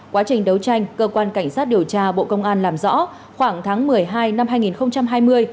quá trình đấu tranh cơ quan cảnh sát điều tra bộ công an làm rõ khoảng tháng một mươi hai năm hai nghìn hai mươi